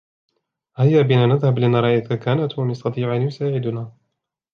هيا بنا نذهب لنرى إذا كان توم يستطيع أن يساعدنا.